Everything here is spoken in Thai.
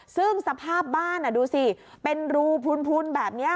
ซึ่งสภาพบ้านดูสิเป็นรูพุนแบบนี้